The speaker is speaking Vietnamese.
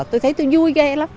tôi thấy tôi vui ghê lắm